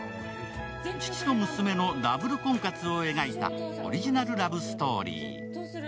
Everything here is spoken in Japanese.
父と娘のダブル婚活を描いたオリジナルラブストーリー。